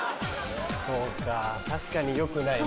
そうか確かによくないね。